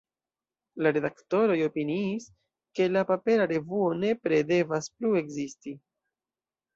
La redaktoroj opiniis, ke la papera revuo nepre devas plu ekzisti.